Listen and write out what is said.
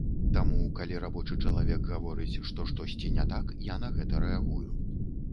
Таму калі рабочы чалавек гаворыць, што штосьці не так, я на гэта рэагую.